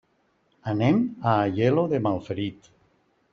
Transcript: Anem a Aielo de Malferit.